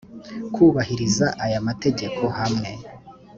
kubahiriza aya mategeko hamwe